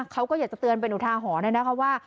เขาก็อยากจะเตือนเป็นอุทาหรณ์นะคะว่า